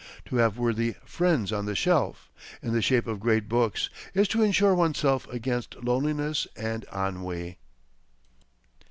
To have worthy "friends on the shelf," in the shape of great books, is to insure oneself against loneliness and ennui.